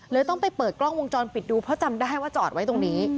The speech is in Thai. ต้องไปเปิดกล้องวงจรปิดดูเพราะจำได้ว่าจอดไว้ตรงนี้